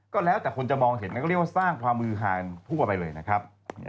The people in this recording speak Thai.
ก็แล้วแต่คนจะมองเห็นก็เรียกว่าสร้างความมือห่างทั่วไปเลยนะครับ